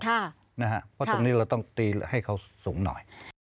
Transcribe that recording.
เพราะฉะนั้นต้องตีให้เขาสูงหน่อย